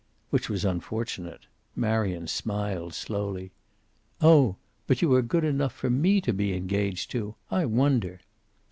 Which was unfortunate. Marion smiled slowly. "Oh! But you are good enough for me to be engaged to! I wonder!"